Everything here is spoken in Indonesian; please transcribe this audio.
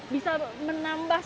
bisa menambah sebuah kemampuan